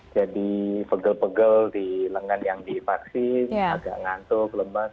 jadi pegel pegel di lengan yang divaksin agak ngantuk lemas